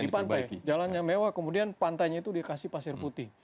di pantai jalannya mewah kemudian pantainya itu dikasih pasir putih